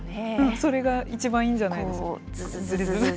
それが一番いいんじゃないですかね。